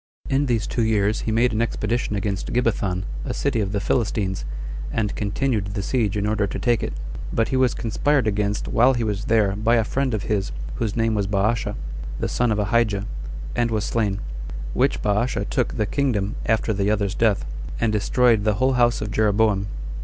In these two years he made an expedition against Gibbethon, a city of the Philistines, and continued the siege in order to take it; but he was conspired against while he was there by a friend of his, whose name was Baasha, the son of Ahijah, and was slain; which Baasha took the kingdom after the other's death, and destroyed the whole house of Jeroboam.